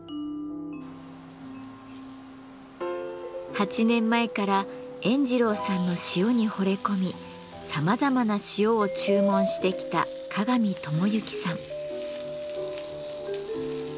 ８年前から塩二郎さんの塩にほれ込みさまざまな塩を注文してきた鏡智行さん。